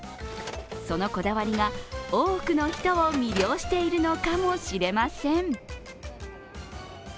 そのこだわりが多くの人を魅了しているのかもしれません。